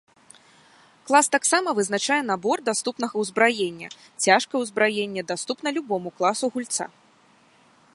Клас таксама вызначае набор даступнага ўзбраення, цяжкае ўзбраенне даступна любому класу гульца.